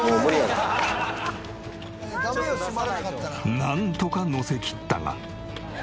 なんとか載せきったが。